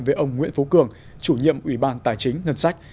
với ông nguyễn phú cường chủ nhiệm ủy ban tài chính ngân sách